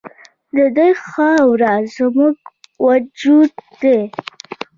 د دې خاوره زموږ وجود دی